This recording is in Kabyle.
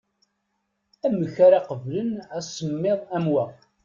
Amek ara qablen asemmiḍ am wa?